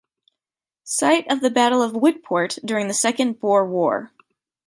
Site of the Battle of Witpoort during the Second Boer War.